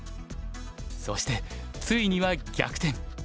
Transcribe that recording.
そしてついには逆転。